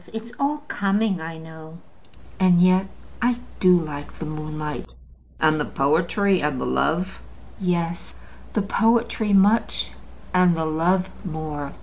It's all coming, I know; and yet I do like the moonlight." "And the poetry, and the love?" "Yes. The poetry much, and the love more.